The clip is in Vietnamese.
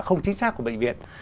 không chính xác của bệnh viện